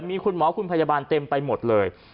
มีคุณหมอคุณพยาบาลเต็มไปหมดเลย